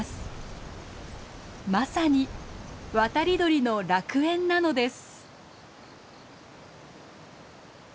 まさに渡り鳥の楽園なのです。